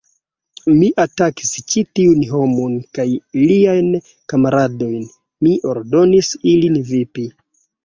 Mi atakis ĉi tiun homon kaj liajn kamaradojn, mi ordonis ilin vipi.